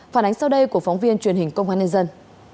phản ánh sau đây của phóng viên truyền hình công an nhân dân